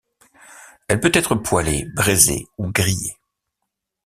Elle peut être poêlée, braisée ou grillée.